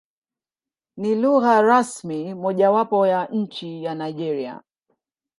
Ni lugha rasmi mojawapo ya nchi ya Nigeria.